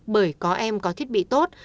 bởi có em có thiết bị tốt